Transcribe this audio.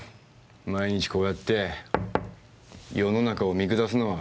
毎日こうやって世の中を見下すのは。